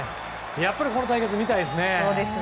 やっぱりこの対決は見たいですね。